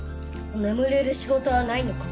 眠れる仕事はないのか？